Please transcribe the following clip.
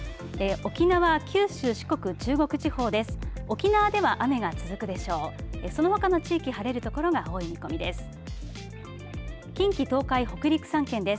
沖縄、九州、四国、中国地方です。